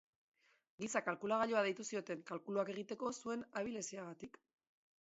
Giza kalkulagailua deitu zioten kalkuluak egiteko zuen abileziagatik.